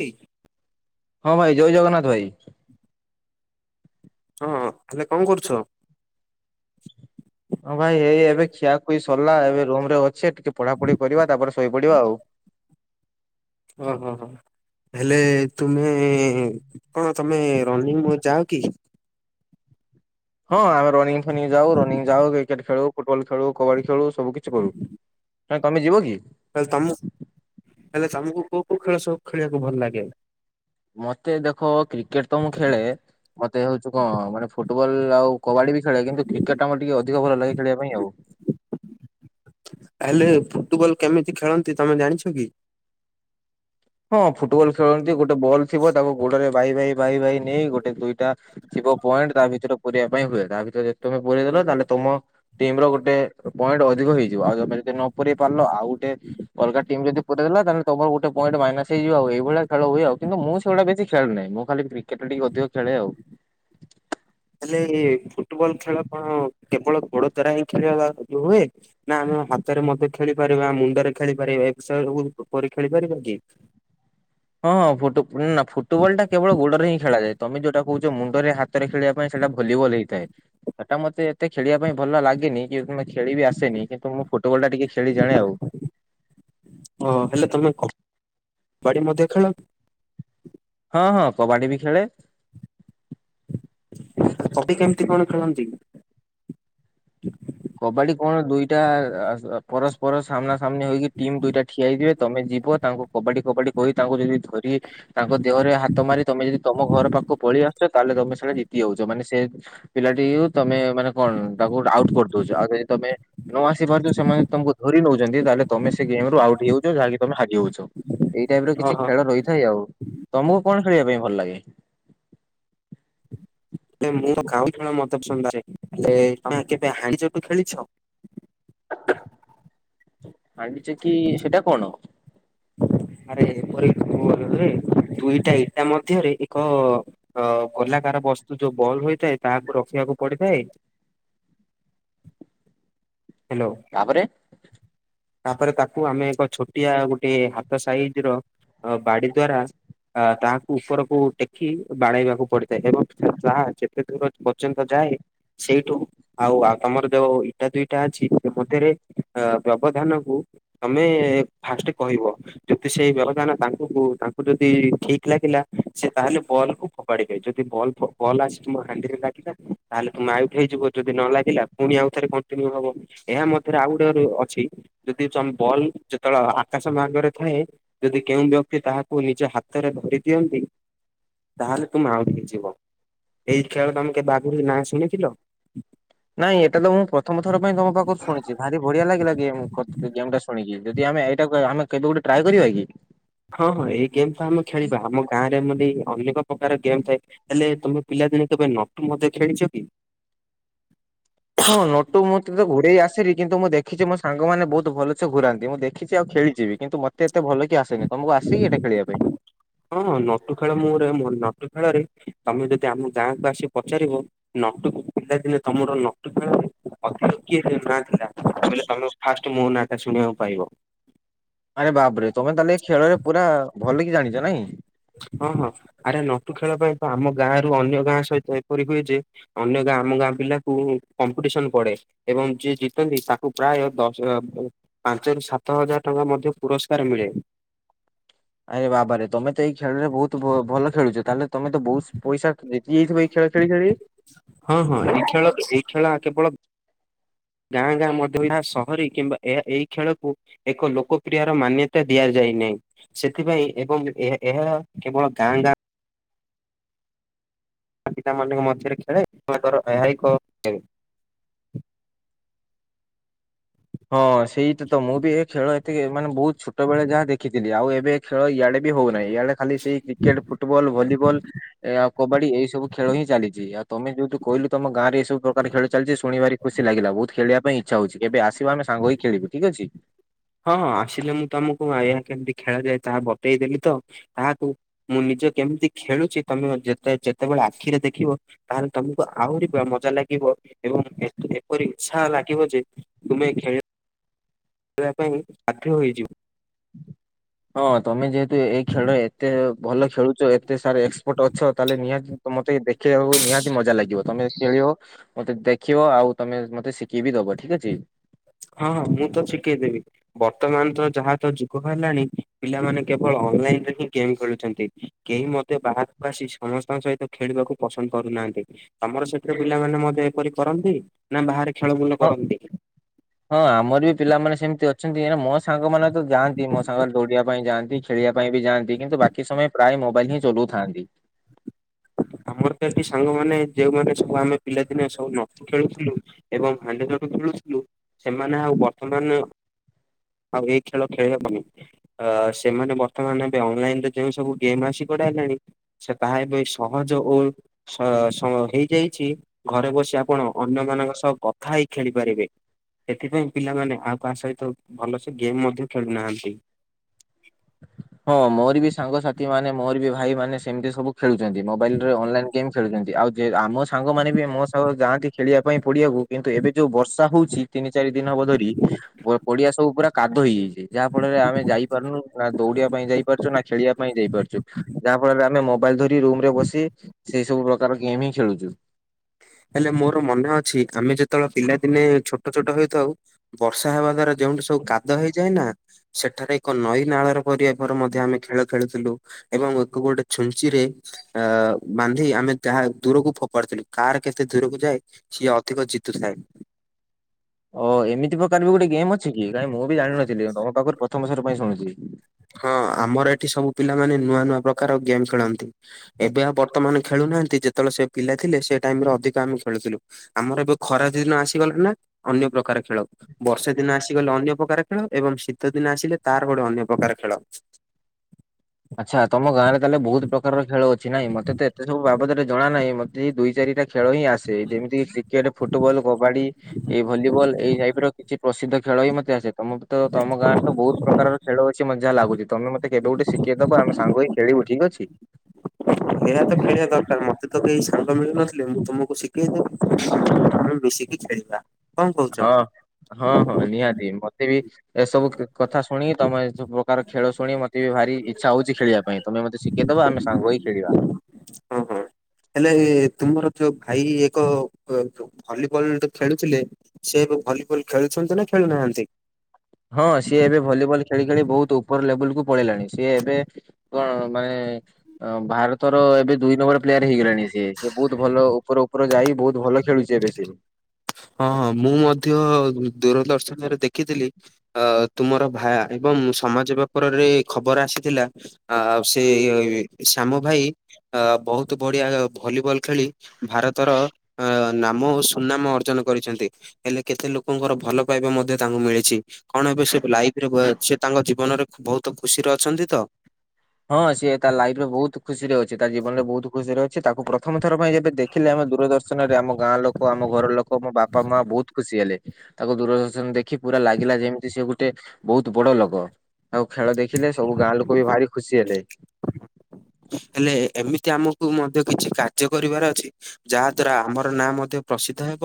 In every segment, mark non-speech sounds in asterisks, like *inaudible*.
ଟି ହଁ ଭାଇ ଜୟ ଜଗନ୍ନାଥ ଭାଇ। *inaudible* ହଁ ହେଲେ କଣ କରୁଛ? ହଁ ଭାଇ ହେଇ ଏବେ ଖିଆଖୁଇ ସରିଲା ଏବେ ରୁମ ରେ ଅଛେ ଟିକେ ପଢାପଢି କରିବା ତାପରେ ଶୋଇପଡିବା ଆଉ। ଓହୋ ହୋ ହେଲେ ତୁମେ କଣ ତମେ ରନିଂ ଯାଅ କି? ହଁ ଆମେ ରନିଙ୍ଗ ଫନିଂ ଯାଉ ରନିଂ ଯାଉ କ୍ରିକେଟ ଖେଳୁ ଫୁଟବଲ ଖେଳୁ କବାଡି ଖେଳୁ ସବୁ କିଛି କରୁ କାଇଁ ତମେ ଯିବ କି? ତାଲେ ତମକୁ ହେଲେ ତମକୁ କୋଉ କୋଉ ଖେଳ ସବୁ ଖେଳିବାକୁ ଭଲ ଲାଗେ? ମତେ ଦେଖ କ୍ରିକେଟ ତ ମୁଁ ଖେଳେ ମତେ ହଉଚୁ କଣ ମାନେ ଫୁଟବଲ ଆଉ କବାଡି ବି ଖେଳେ କିନ୍ତୁ କ୍ରିକେଟ ଟା ମତେ ଟିକେ ଅଧିକ ଭଲ ଲାଗେ ଖେଳିବା ପାଇଁ ଆଉ। ହେଲେ, ଫୁଟବଲ କେମିତି ଖେଳନ୍ତି ତମେ ଜାଣିଛ କି? ହଁ ଫୁଟବଲ ଖେଳନ୍ତି ଗୋଟେ ବଲ୍ ଥିବ ତାକୁ ଗୋଡରେ ଭାଇ ଭାଇ ଭାଇ ଭାଇ ନେଇ ଗୋଟେ ଦୁଇଟା ଯିବ ପଏଣ୍ଟ ତା ଭିତରେ ପୁରେଇବା ପାଇଁ ହୁଏ, ତା ଭିତରେ ଯଦି ତମେ ପୁରୀଇଦେଲ ତାହେଲେ ତମ ଟିମ ର ଗୋଟେ ପଏଣ୍ଟ ଅଧିକ ହେଇଯିବ। ଆଉ ତମେ ଯଦି ନ ପୁରେଇ ପାରିଲ ଆଉ ଅଲଗା ଟିମ୍ ଯଦି ପୁରେଇ ଦେଲା ତାହେଲେ ତମର ଗୋଟେ ପଏଣ୍ ମାଇନାସ୍ ହେଇଯିବ ଆଉ ଏଇଭଳି ଖେଳ ହୁଏ ଆଉ। କିନ୍ତୁ ମୁଁ ସେଗୁଳା ବେଶ ଖେଳ ନାହିଁ ମୁଁ ଖାଲି କ୍ରିକେଟ ଟିକେ ଅଧିକ ଖେଳେ ଆଉ ହେଲେ ଫୁଟବଲ ଖେଳ କଣ କେବଳ ଗୋଡ ତରା ହିଁ ଖେଳିବା କୁ ହୁଏ। ନା ଆମେ ହାତରେ ମଧ୍ୟ ଖେଳି ପାରିବା, ମୁଣ୍ଡରେ ଖେଳି ପାରିବା, ଏ ବିଷୟରେ ଉପରେ ଖେଳି ପାରିବା କି? ହଁ ହଁ ଫୁଟ ନା ଫୁଟବଲ୍ ଟା କେବଳ ଗୋଡରେ ହିଁ ଖେଳାଯାଏ। ତମେ ଯୋଉଟା କହୁଛ ମୁଣ୍ଡରେ ହାତରେ ଖେଳିବା- ସେଇଟା ଭଲିବଲ୍ ହେଇଥାଏ। ସେଟା ମତେ ଏତେଖେଳିବା ପାଇଁ ଭଲ ଲାଗେନି, କି ଖେଳି ବି ଆସେନି, କିନ୍ତୁ ମୁଁ ଫୁଟବଲ ଟା ଟିକେ ଖେଳି ଜାଣି ଆଉ। ହଁ ହେଲେ ତମେ ବାଡି ମଧ୍ୟ ଖେଳ *unintelligible* ହଁ ହଁ କବାଡ଼ି ବି ଖେଳେ। ହୋକି କେମିତି କଣ ଖେଳନ୍ତି କି? କବାଡି କଣ ଦୁଇଟା ପରସ୍ପର ସାମ୍ନା ସାମ୍ନ ହେଇକି ଟିମ୍ ଦୁଇଟା ଠିଆଇଯିବେ ତମେ ଯିବ ତାଙ୍କୁ କବାଡି କବାଡି କହି ତାଙ୍କୁ ଯଦି ଧରି ତାଙ୍କ ଦେହରେ ହାତ ମାରି ତମେ ଯଦି ତମ ଘର ପାଖକୁ ପଳେଇ ଆସିଛ, ତାହେଲେ ତମେ ସେଇଟା ଜିତି ଯାଉଛ। ମାନେ ସେ- ପିଲାଟି ତମେ ମାନେ କଣ ତାକୁ ଆଉଟ କରିଦଉଛ। ଆଉ ଯଦି ତମେ- ନ ଆସି ପାରୁଛ ସେମାନେ ତମକୁ ଧରି ନଉଛନ୍ତି। ତାହେଲେ ତମେ ସେ ଗେମ ରୁ ଆଉଟ ହେଇଯଛ। ଯାହା କି ତମେ ହାରିଯଉଛ। ଏଇ ଟାଇପ ର କିଛି ଓହୋ ଖେଳ ରହିଥାଏ ଆଉ। ତମକୁ କଣ ଖେଳିବା ପାଇଁ ଭଲ ଲାଗେ? ହେ ମୁଁ ଗାଉଁ ମଦ ସନ୍ଧାରେ ହେଲେ ତମେ କେବେ ହାଡି ଚଟୁ ଖେଳିଛ *unintelligible* ଆଣିଛି କି ସେଟା କଣ? ଆରେ ଏପରିରେ ଦୁଇଟା ଏଇଟା ମଧ୍ୟରେ ଏକ ଅ ଗୋଲାକାର ବସ୍ତୁ ଯୋଉ ବଲ ହୋଇଥାଏ ତାହାକୁ ରଖିବାକୁ ପଡିଥାଏ। ହ୍ୟାଲୋ ତାପରେ! ତାପରେ ତାକୁ ଆମେ ଏକ ଛୋଟିଆ ଗୋଟେ ହାତ ସାଇଜ ର- ଅ ବାଡ଼ି ଦ୍ଵାରା- ଅ ତାହାକୁ ଉପରକୁ ଟେକି ବାଡ଼େଇବାକୁ ପଡିଥାଏ। ଏବଂ ତାହା ଯେତେ ଦୂର ପର୍ଯ୍ୟନ୍ତ ଯାଏ- ସେଇଠୁ ଆଉ ଆଉ ତମର ଯୋଉ ଇଟା ଦୁଇ- ଅ ସେମରେ ଅ ବ୍ୟବଧାନ କ ତମେ ଫାଷ୍ଟ କହିବ *unintelligible* ଯଦି ସେଇ ବ୍ୟବଧାନ ତାଙ୍କୁ ତାଙ୍କୁ ଯଦି ଠିକ ଲାଗିଲା ସେ ତାହେଲେ ବଲ କୁ- ଯଦିଲ ଆସି ତ ହାଣ୍ଡିରେ ଲାଗିଲା ତାହେଲେ ତମେ ଆଉଟହେଇଯିବ। ଯଦି ନ ଲାଗିଲା ପୁଣି ଆଉଥରେ- ହବ ଏହା ମଧ୍ୟରେ ଆଉ ଗୋଟେ ଅଛି *unintelligible* ଯଦି ତମ ବଲ୍ ଯେତେବେଳେ ଆକାଶ ମାର୍ଗରେ ଥାଏ। ଯଦି କେଉଁ ବ୍ୟକ୍ତି ତାହାକୁ ନିଜ ହାତରେ ଧରି ଦିଅନ୍ତି। ତାହେଲେ ତମେ ଆଉଟ ହେଇ ଯିବ। ଏଇ ଖେଳ ତମେ କେବେ ଆଗରୁିକ ନାଁ ଶୁଣିଥିଲ? ନାଇଁ ଏଟା ତ ମୁଁ! ପ୍ରଥମ ଥର ପାଇଁ ତମ ପାଖରୁ ଶୁଣିଛି। ଭାରିବଢିଆ ଲାଗିଲା ଗେମ୍ ଟା ଶୁନିକି ଯଦି ଆମେ ଏଇଟା ଆମେ କେତେ ଗୋଟେ ଟ୍ରାଏ କରିବା କି? ହଁ ହଁ ଏଇ ଗେମ୍ ତ ଆମେ ଖେଳିବା। ଆମ ଗାଁ ରେ ଏମ ଅନେକ ପ୍ରକାର ଗେମ୍ ଥାଏ। ହେଲେ ତମେ ପିଲାଦିନେ କେବେ ନଟୁ ମଧ୍ୟ ଖେଳିଛ କି? ହଁ ନଟୁ ମୁଁ ତ ଘୁଡେଇ ଆସେନି। କିନ୍ତୁ ମୁଁ ଦେଖିଛି ମୋ ସାଙ୍ଗମାନେ ବହୁତ ଭଲସେ ଘୁରାନ୍ତି ମୁଁ ଦେଖିଛି ଆଉ ଖେଳିଛିିବି। କିନ୍ତୁ ମତେ ଏତେ ଭଲ କି ଆସେନି। ତମକୁ ଆସିକି ଏଟା ଖେଳିବା ପାଇଁ। ହଁଁ ନଟୁ ଖେଳ ମୋରେ ନଟୁ ଖେଳ ରେ ତମେ ଯଦି ଆମ ଗାଁକୁ ଆସି ପଚାରିବ - ନଟୁ ପିଲାଦିନେ ତମର ନଟୁକଳରେ ଅତି କିଏ ନା ଥିଲା କହିଲ ତମେ- ଫାଷ୍ଟ ମୋ ନାଁଟା ଶୁଣିବାକୁ ପାଇବ। ଆରେ ବାବରେ ତମେ ତାହେଲେ ଖେଳ ରେ ପୁରା ଭଲ କି ଜାଣିଛ ନାଇଁ। ହଁ ହଁ ଆରେ ନଟୁ ଖେଳ ପାଇଁ ତ ଆମ ଗାଁରୁ ଅନ୍ୟ ଗାଁ ସହିତ ଏପରି ହୁଏ ଯେ- ଅନ୍ୟ ଗାଁ ଆମ ଗାଁ ପିଲାକୁ କମ୍ପିଟିସନ ପଡେ। ଏବଂ ଯିଏ ଜିତନ୍ତି ତାକୁ ପ୍ରାୟ ଦଶ ପାଞ୍ଚ ରୁ ସାତ ହଜାର ଟଙ୍କା ମଧ୍ୟ ପୁରସ୍କାର ମିଳେ। ଆରେ ବାବାରେ ତମେ ତ ଏଇ ଖେଳରେ ବହୁତ ଭଲ ଖେଳୁଛ ତାହେଲେ ତମେ ତ ବହୁତ ପଇସା ଜିତି ଯାଇଥିବ ଏଇ ଖେଳ ଖେଳି ଖେଳି ହଁ ହଁ ଏଇ ଖେଳ ଏଇ ଖେଳ କେବଳ ଗାଁ ଗାଁ ମଧ୍ୟ ଏହା ସହରୀ କିମ୍ବା ଏ ଏଇ ଖେଳକୁ ଏକ ଲୋକପ୍ରିୟ ର ମାନ୍ୟତା ଦିଆଯାଇନାହିଁ। ସେଥିପାଇଁ ଏବଂ ଏହା ଏହା କେବଳ ଗାଁ ଗାଁ ପିତା ମଙ୍କ ମଧ୍ୟରେ ଖେଳେ ତାଙ୍କର ଏହା କ ହଁ ସେଇଟା ତ ମୁଁ ବି ଏ ଖେଳ ଏତିକି ମାନେ ବହୁତ ଛୋଟ ବେଳେ ଯାହା ଦେଖିଥିଲି ଆଉ ଏବେ ଖେଳ ଇଆଡେ ବି ହଉନାହିଁ ଇଆଡେ ଖାଲି ସେଇ କ୍ରିକେଟ ଫୁଟବଲ ଭଲିବଲ ଏ ଆଉ କବାଡି ଏଇ ସବୁ ଖେଳ ହିଁ ଚାଲିଛି ଆଉ ତମେ ଯୋଉୁ କହିଲୁ ତମ ଗାଁରେ ଏଇବୁ ପ୍ରକାର ଖେଳ ଚାଲିଛି ଶୁଣିଭାରି ଖୁସି ଲାଗିଲା ବହୁତ ଖଳିବା ପାଇଁ ଇଛା ହଉଚି କେବେ ଆ କହିହି ଖେଳିବୁ ଠିକ ଅଛି। ହଁ ହଁ ଆସିଲେ ମୁଁ ତମକୁ ଏହା କେମିତି ଖେଳାଯାଏ ତାହା ବତେଇ ଦେଲି ତ ତାହାକୁ ମୁଁ ନିଜ କେମିତି ଖେଳୁଛି ତମେ ଯେତେ ଯେତେବେଳେ ଆଖିରେ ଦେଖିବ। ତାହେଲେ ତମକୁ ଆହୁରି ମଜା ଲାଗିବ ଏବଂ ଏପରି ଇଚଛା ଲାଗିବ ଯେ ତୁମେ ଖେଳ ପାଇଁ ହେଇଯିବ ହଁ ତମେ ଯେହେତୁ ଏଇ ଖେଳ ଏତେ ଭଲ ଖେଳୁଛ। ଏତେ ସାର୍ ଏକ୍ସପର୍ଟ ଅଛ ତାଲେ ନିହାତି ମତେ ଦେଖବାକୁ ନିହାତି ମଜା ଲାଗିବ। ତମେ ଖେଳିବ ମତେ ଦେଖିବ ଆଉ ତମେ ମତେ ଶିଖି ବିି ଦବ ଠିକ ଅଛି। ହଁ ହଁ ମୁଁ ତ ଶିଖେଇଦେବି। ବର୍ତ୍ତମାନ ତ ଯାହା ତ ଯୁଗ ହେଲାଣି ପିଲାମାନେ କେବଳ ଅନଲାଇନରେ ହିଁ ଗେମ୍ ଖେଳୁଛନ୍ତି। କେହି ମଧ୍ୟ ବାହାରକୁ ଆସି ସମସ୍ତଙ୍କ ସହିତ ଖେଳିବାକୁ ପସନ୍ଦ କରୁନାହାନ୍ତି। ତମର ସେଥିରେ ପିଲାମାନେ ମଧ୍ୟ ଏପରି କରନ୍ତି ନା ବାହାରେ ଖେଳ ବୁଲ ହଁ କରନ୍ତି। ହଁ ଆମର ବି ପିଲାମାନେ ସେମିତି ଅଛନ୍ତି ମୋ ସାଙ୍ଗମାନୋନ ତ ଯାଆନ୍ତି ମୋ ସାଙ୍ଗରେ ଦୌଡିବା ପାଇଁ ଯାଆନ୍ତି। ଖେଳିବା ପାଇଁ ବି ଯାଆନ୍ତି କିନ୍ତୁ ବାକି ସମୟ ପ୍ରାୟ ମୋବାଇଲ ହିଁ ଚଲଉଥାନ୍ତି। ଆମର ତ ଏଠି ସାଙ୍ଗମାନେ ଯୋଉମାନେ ସବୁ ଆମେ ପିଲାଦିନେ ସବୁ ନ ଖେଳୁଥିଲୁ ଏବଂ ହାଣ୍ଡ ଜଣୁ ଖେଳୁଥିଲୁ ସେମାନେ ଆଉ ବର୍ତ୍ତମାନ ଆଉ ଏଇ ଖେଳ ଖେଳି ହବନି। ଅ ସେମାନେ ବର୍ତ୍ତମାନ ଏବେ ଅନଲାଇନରେ ଯୋଉ ସବୁ ଗେମ୍ ଆସି ଗଡା ହେଲାଣି ସେ ତାହା ଏବେ ସହଜ ଓ ହେଇଯାଇଛି ଘରେ ବସି ଆପଣ ଅନ୍ୟମାନଙ୍କ ସହ କଥା ହେଇ ଖେଳିପାରିବେ। ସେଥିପାଇଁ ପିଲାମାନେ ଆଉ କାହା ସହିତ ଭଲସେ ଗେମ୍ ମଧ୍ୟ ଖେଳୁନାହାନ୍ତି। ହଁ ମୋର ବି ସାଙ୍ଗସାଥି ମାନେ ମୋର ବି ଭାଇ ମାନେ ସେମିତି ସବୁ ଖେଳୁଛନ୍ତି ମୋବାଇଲ ରେ ଅନଲାଇନ ଗେମ୍ ଖେଳୁଛନ୍ତି ଆଉ ଆମ ସାଙ୍ଗମାନେ ବି ମୋ ସାଙ୍ଗ ଯାଆନ୍ତି ଖେଳିବାକୁ ପଡିଆକୁ କିନ୍ତୁ ଏବେ ଯୋଉ ବର୍ଷା ହଉଛି ତିନି ଚାରି ଦିନ ହବ ଧରି ପଡିଆ ସବୁ ପୁରା କାଦ ହେଇଯାଇଛି ଯାହା ଫଳରେ ଆମେ ଯାଇପାରୁନୁ ନା ଦୌଡିବା ପାଇଁ ଯାଇପାରୁଛୁ ନା ଖେଳିବା ପାଇଁ ଯାଇପାରୁଛୁ। ଯାହା ଫଳରେ ଆମେ ମୋବାଇଲ ଧରି ରୁମ ରେ ବସି ସେଇ ସବୁ ପ୍ରକାର ଗେମ୍ ହିଁ ଖେଳୁଛୁ। ହେଲେ ମୋର ମନେ ଅଛି ଆମେ ଯେତେବେଳେ ପିଲାଦିନେ ଛୋଟ ଛୋଟ ହେଇଥାଉ। ବର୍ଷା ହେବା ଦ୍ୱାରା ଯେଉଠି ସବୁ କାଦ ହେଇଯାଏନା ସେଠାରେ ଏକ ନଈ ନାଳର ପରିବା ପରେର ମଧ୍ୟ ଆମେ ଖେଳ ଖେଳୁଥିଲୁ ଏବଂ ଏକ ଗୋଟେ ଛୁଞ୍ଚି ରେ ଅ ବାନ୍ଧି ଆମେ ତାହା ଦୂରକୁ ଫୋପଡୁଥିଲୁ। କାହାର କେତେ ଦୂରକୁ ଯାଏ ସିଏ ଅଧିକ ଜିତୁଥାଏ। ଓ ଏମିତି ପ୍ରକାର ବି ଗୋଟେ ଗେମ୍ ଅଛି କି କାଇହିଁ ମୁଁ ବି ଜାଣିନଥିଲି ତମ ପାଖରୁ ପ୍ରଥମ ଥର ପାଇଁ ଶୁଣୁଛି। ହଁ ଆମର ଏଠି ସବୁ ପିଲାମାନେ ନୂଆ ନୂଆ ପ୍ରକାର ଗେମ୍ ଖେଳନ୍ତି। ଏବେ ଆଉ ବର୍ତ୍ତମାନ ଖେଳୁନାହାନ୍ତି ଯେତେବେଳେ ସେ ପିଲା ଥିଲେ ସେ ଟାଇମରେ ଅଧିକ ଆମେ ଖେଳୁଥିଲୁ। ଆମର ଏବେ ଖରା ଦିନ ଆସିଗଲା ନା ଅନ୍ୟ ପ୍ରକାର ଖେଳ ବର୍ଷେ ଦିନ ଆସିଗଲେ, ଅନ୍ୟ ପ୍ରକାର ଖେଳ ଏବଂ ଶୀତ ଦିନ ଆସିଲେ, ତାର ଗୋଟେ ଅନ୍ୟ ପ୍ରକାର ଖେଳ। ଆଚ୍ଛା, ତମ ଗାଁରେ ତାହେଲେ ବହୁତ ପ୍ରକାରର ଖେଳ ଅଛି ନାଇଁ, ମତେ ତ ଏତେ ସବୁ ବାବଦରେ ଜଣା ନାହିଁ। ମତେ ଏଇ ଦୁଇ ଚାରିଟା ଖେଳ ହିଁ ଆସେ ଯେମିତି କି କ୍ରିକେଟ୍, ଫୁଟବଲ, କବାଡି, ଏଇ ଭଲିବଲ୍ ଏଇ ଟାଇପ୍ ର କିଛି ପ୍ରସିଦ୍ଧ ଖେଳ ହିଁ, ମତେ ଆସେ। ତମକୁ ତମ ଗାଁରେ ତ ବହୁତ ପ୍ରକାରର ଖେଳ ଅଛି। ମତ୍ ଯାହା ଲାଗୁଛି, ତମେ ମତେ କେବେ ଗୋଟେ ଶିଖ୍ କିଏ ଦବ? ଆମେ ସାଙ୍ଗ ହେଇ ଖେଳିବୁ ଠିକ୍ ଅଛି। ଏହା ତ ଖେଳିବା ଦରକାର। ମତେ ତ କେହି ସାଙ୍ଗ ମିଳୁନଥିଲେ। ମୁଁ ତମକୁ ଶିଖେଇ ଦେବି। ଆମେ ମିଶିକି ଛେଇତା ହଁ ହଁ ହଁ, ନିହାତି ମତେ ବି ଏସବୁ କଥା ଶୁଣି ତମେ ସବୁ ପ୍ରକାର ଖେଳ ଶୁଣି ମତେ ବି ଭାରି ଇଚ୍ଛା ହଉଛି ଖେଳିବା ପାଇଁ? ତମେ ମତେ ସିକ୍ କିଏ ଦବ? ଆମେ ସାଙ୍ଗ ହୋଇ ଖେଳିବା। ହଁ ହଁ। ହେଲେ, ତୁମର ଯୋଉ ଭାଇ ଏକ କ-କ ଭଲିବଲ୍ ଖେଳୁଥିଲେ? ସେ ଏବେ ଭଲିବଲ ଖେଳୁଛନ୍ତି ନା ଖେଳୁନାହାଁନ୍ତି? ହଁ, ସିଏ ଏବେ ଭଲିବଲ୍ ଖେଳି ଖେଳି ବହୁତ ଉପର ଲେବୁଲକୁୁ ପଳେଇିଲାଣି। ସିଏ ଏବେ କଣ ମାନେ-ଏଁ ଅ ଭାରତର ଏବେ ଦୁଇ ନମ୍ବର ପ୍ଲେୟାର ହେଇଗଲାଣି ସିଏ। ସିଏ ବହୁତ ଭଲ ଉପର ଉପର ଯାଇ, ବହୁତ ଭଲ ଖେ ଖେଳୁଛି ଏବେ ସେ। ହଁ, ହଁ, ମୁଁ ମଧ୍ୟ ଦୂରଦର୍ଶନରେ ଦେଖିଥିଲି। ଅ ତୁମର ଭା ଏବଂ ସମାଜ ପେପରରେ ଖବର ଆସିଥିଲା। ଆଉ, ସେ-ଏ ଶ୍ୟାମ ଭାଇ ଆ ବହୁତ ବଢିଆ ଭଲିବଲ୍ ଖେଳି ଭାରତର-ଅ ନାମ ଓ ସୁନାମ ଅର୍ଜନ କରିଛନ୍ତି। ହେଲେ କେତେ ଲୋକଙ୍କର ଭଲ ପାଇବା ମଧ୍ୟ ତାଙ୍କୁ ମିଳିଛି। କଣ ଏବେ ସେ ଲାଇଫ୍ ରେ ବ, ସେ ତାଙ୍କ ଜୀବନରେ ବହୁତ ଖୁସିରେ ଅଛନ୍ତି ତ! ହଁ, ସିଏ ତା ଲାଇଫ୍ ରେ ବହୁତ ଖୁସି ରେ ଅଛି। ତା ଜୀବନ ଲେ ବହୁତ ଖୁସିରେ ଅଛି। ତାକୁ ପ୍ରଥମ ଥର ପାଇଁ ଯେତ୍ ଏବେ ଦେଖିଲେ, ଆମେ ଦୂରଦର୍ଶନରେ ଆମ ଗାଁ ଲୋକ ଆମ ଘର ଲୋକ ମ ବାପା ମାଁ ବହୁତ ଖୁସି ହେଲେ। ତାକୁ ଦୂରଦର୍ଶନ ଦେଖି ପୁରା ଲାଗିଲା ଯେମିତି ସେ ଗୁଟେ, ବହୁତ ବଡ ଲୋଗ। ଆଉ ଖେଳ ଦେଖିଲେ। ସବୁ ଗାଁ ଲୋକ ବି ଭାରି ଖୁସି ହେଲେ। ହେଲେ ଏମିତି ଆମକୁ ମଧ୍ୟ କିଛି କାର୍ଯ୍ୟ କରିବାର ଅଛି ଯାହା ଦ୍ଵାରା, ଆମର ନାଁ ମଧ୍ୟ ପ୍ରସିଦ୍ଧ ହେବ।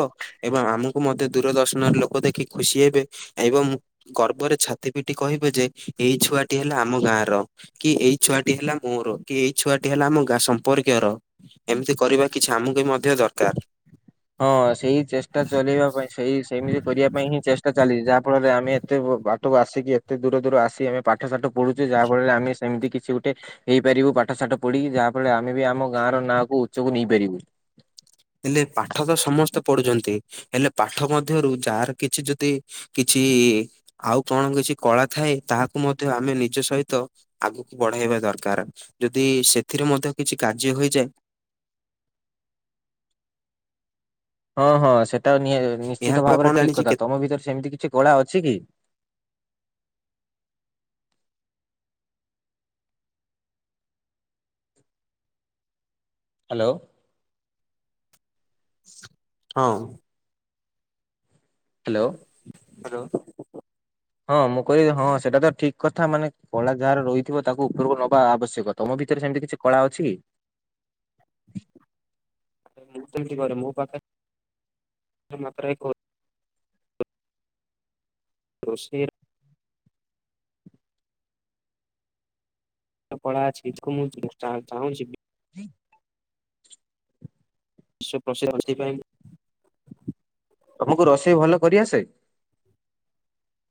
ଏବଂ ଆମକୁ ମଧ୍ୟ ଦୂରଦର୍ଶନରେ ଲୋକ ଦେଖି ଖୁସି ହେବେ ଏବଂ ଗର୍ବରେ ଛାତି ପିଟି କହିବେ ଯେ, ଏଇ ଛୁଆଟି ହେଲା ଆମ ଗାଁର। କି ଏଇ ଛୁଆଟି ହେଲା ମୋର। କି ଏଇ ଛୁଆଟି ହେଲା ଆମ ଗାଁ ସମ୍ପର୍କୀୟର, ଏମିତି କରିବା କିଛି ଆମକୁ ବି ମଧ୍ୟ ଦରକାର। ହଁ, ସେଇ ଚେଷ୍ଟା ଚଲେଇବା ପାଇଁ, ସେଇ ସେମିତି କରିବା ପାଇଁ ହିଁ, ଚେଷ୍ଟା ଚାଲିଚି, ଯାହା ଫଳରେ ଆମେ ଏତେ ବ-ବାଟକୁ ଆସିକି ଏତେ ଦୂର ଦୂର ଆସି ଆମେ ପାଠ ସାଠ ପଢୁଛେ। ଯାହା ଫଳରେ ଆମେ ସ ସେମିତି କିଛି ଗୋଟେ ହେଇପାରିବୁ ପାଠ ସାଠ ପଢିକି। ଯାହାଫଳରେ, ଆମେ ବି ଆମ ଗାଁ ର ନାଁକୁ ଉଚ୍ଚକୁ ନେଇପାରିବୁ। ହେଲେ ପାଠ ତ ସମସ୍ତେ ପଢୁଛନ୍ତି! ହେଲେ ପାଠ ମଧ୍ୟରୁ ଯାହାର କିଛି ଯଦି କିଛି-ଇ-ଇ ଆଉ କଣ କିଛି କଳା ଥାଏ! ତାହାକୁ ମଧ୍ୟ ଆମେ ନିଜ ସହିତ ଆଗକୁ ବଢେଇବା ଦରକାର। ଯଦି, ସେଥିରେ ମଧ୍ୟ କିଛି କାର୍ଯ୍ୟ ହୋଇଯାଏ। ହଁ ହଁ, ସେଟା ନିହା ଏହା ନିଶ୍ଚିତ କ ଭାବରେ କଣ ଠିକ୍ ଜାଣିଛି କଥା। କେ ତମ ଭିତରେ ସେମିତି କିଛି କଳା ଅଛି କି? ହ୍ୟାଲୋ! ହଁ। ହ୍ୟାଲୋ! ହ୍ୟାଲୋ! ହଁ, ମୁଁ କହି ହଁ, ସେଇଟା ତ ଠିକ୍ କଥା। ମାନେ କଳା ଯାହାର ରହିଥିବ, ତାକୁ ଉପରକୁ ନବା ଆବଶ୍ୟକ। ତମ ଭିତରେ ସେମିତି କିଛି କଳା ଅଛି। ମୁଁ ତ, ଇମିତି କରେ। ମୋ ପାଖେ, ମୁଁ ମାତ୍ରାରେ କହୁ ରୋଷେଇର କଳା ଅଛି, *inaudible* ଚାହୁଁଚିକି ସୁପ୍ରସିଦ୍ଧ ସେଥିପାଇଁ ତମକୁ ରୋଷେଇ ଭଲ କରିଆସେ?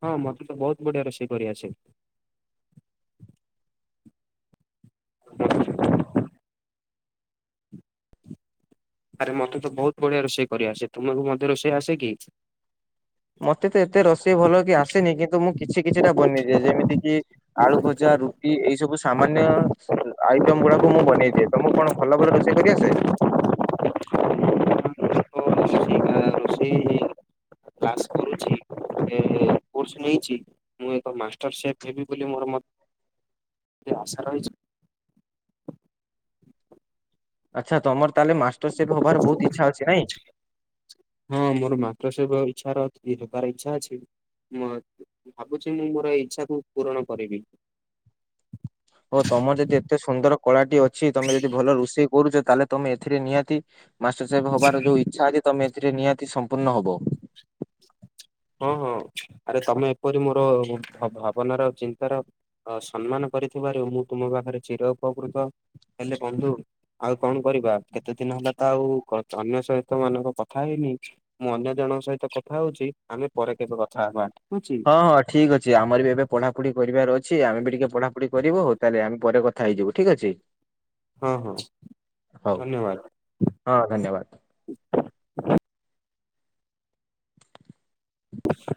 ହଁ ମତେ ତ ବହୁତ ବଢିଆ ରୋଷେଇ କରି ଆସେ। ଆରେ ମତେ ତ ବହୁତ ବଢିଆ ରୋଷେଇ କରିଆ ଆସେ ତୁମକୁ ମଧ୍ୟ ରୋଷେଇ ଆସେ କି? ମତେ ତ ଏତେ ରୋଷେଇ ଭଲ କି ଆସେନି। କିନ୍ତୁ ମୁଁ କିଛି କିଛି ଟା ବନେଇଦିଏ। ଯେମିତି କି ଆଳୁ ଭଜା, ରୁଟି ଏଇ ସବୁ ସାମାନ୍ୟ ଆଇଟମ ଗୁଡାକୁ ମୁଁ ବନେଇ ଦିଏ। ତମକୁ କଣ ଭଲ ଭଲ ରୋଷେଇ କରି ଆସେ? ତ ରୋଷେଇ କ୍ଲାସ୍ କରୁଚି। ଏ କୋର୍ସ୍ ନେଇଚି। ମୁଁ ଏକ ମାଷ୍ଟର ସେଫ ହେବି ବୋଲି ମୋର ମଧ୍ୟ ଆଶା ରହିଚି। ଆଚ୍ଛା ତମର ତାହେଲେ ମାଷ୍ଟର ସେଫ୍ ହବାର ବହୁତ ଇଛା ଅଛି ନାଇଁ? ହଁ ମୋର ମାଷ୍ଟର ସେଫ୍ ଇଚ୍ଛାର ଅ ହେବାର ଇଚ୍ଛା ଅଛି। ମୋ ଭାବୁଚି ମୁଁ ମୋର ଏଇ ଇଚ୍ଛା କୁ ପୂରଣ କରିବି। ଓଃ ତମର ଯଦି ଏତେ ସୁନ୍ଦର କଳା ଟି ଅଛି। ତମେ ଯଦି ଭଲ ରୋଷେଇ କରୁଚ। ତାହେଲେ ତମେ ଏଥିରେ ନିହାତି ମାଷ୍ଟର ସେଫ୍ ହବାର ଯୋଉ ଇଚ୍ଛା ଅଛି ତମେ ଏଥିରେ ନିହାତି ସମ୍ପୂର୍ଣ୍ଣ ହବ। ହଁ ହଁ ଆରେ ତମେ ଏପରି ମୋର ଭାବନାର ଆଉ ଚିନ୍ତାର ଅ ସମ୍ମାନ କରିଥିବାରୁ ମୁଁ ତୁମ ପାଖରେ ଚିର ଉପକୃତ। ହେଲେ ବନ୍ଧୁ ଆଉ କଣ କରିବା କେତେ ଦିନ ହେଲା ତ ଆଉ ଅନ୍ୟ ସହିତ ମାନଙ୍କ କଥା ହେଇନି। ମୁଁ ଅନ୍ୟ ଜଣଙ୍କ ସହିତ କଥା ହଉଚି। ଆମେ ପରେ କେବେ କଥା ହବା ରହୁଚି? ହଁ ହଁ ଠିକ୍ ଅଛି। ଆମର ଏବେ ପଢାପଢି କରିବାର ଅଛି। ଆମେ ବି ଟିକେ ପଢାପଢି କରିବୁ। ହଉ ତାହେଲେ ଆମ ପରେ କଥ ଥା ହେଇଯିବୁ ଠିକ୍ ଅଛି? ହଁ ହଁ ହଉ ଧନ୍ୟବାଦ। ହଁ ଧନ୍ୟବାଦ। ଆଛା